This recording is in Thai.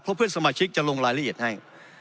เพื่อนสมาชิกจะลงรายละเอียดให้